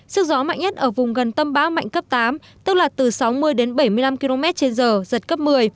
sức gió mạnh nhất ở vùng gần tâm áp thấp nhiệt đới mạnh cấp tám tức là từ sáu mươi bảy mươi năm km trên giờ dật cấp một mươi